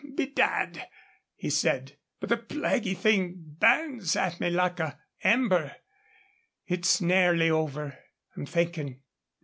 "Bedad," he said, "but the plaguy thing burns at me like an ember. It's nearly over, I'm thinking.